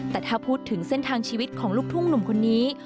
แต่ถ้าพูดถึงเส้นทางชีวิตของลูกทุ่งหนุ่มคนนี้